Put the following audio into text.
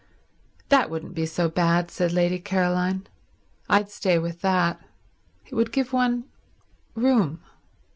"That wouldn't be so bad," said Lady Caroline. "I'd stay with that. It would give one room."